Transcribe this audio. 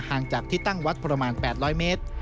จากที่ตั้งวัดประมาณ๘๐๐เมตร